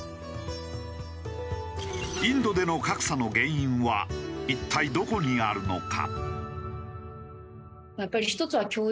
インドでの格差の原因は一体どこにあるのか？